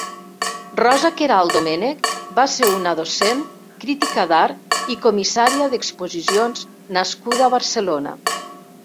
Rosa Queralt Doménech va ser una docent, crítica d'art i comissària d'exposicions nascuda a Barcelona.